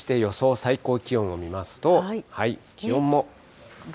最高気温を見ますと、気温も。